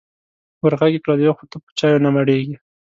ور غږ یې کړل: یو خو ته په چایو نه مړېږې.